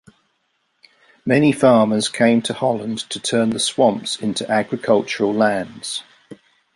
Many farmers came to Holland to turn the swamps into agricultural lands.